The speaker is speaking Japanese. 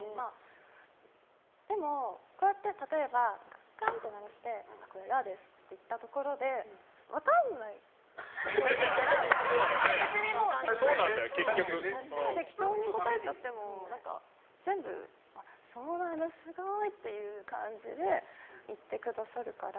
でも、例えばカンって鳴らしてこれラですって言ったところで分かんないと思うから別に適当に答えちゃっても全部、そうなんだすごい！っていう感じで言ってくださるから。